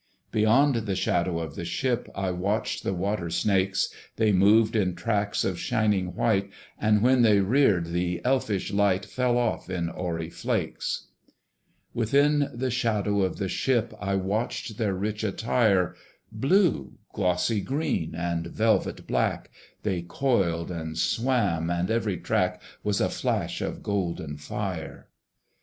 Beyond the shadow of the ship, I watched the water snakes: They moved in tracks of shining white, And when they reared, the elfish light Fell off in hoary flakes. Within the shadow of the ship I watched their rich attire: Blue, glossy green, and velvet black, They coiled and swam; and every track Was a flash of golden fire.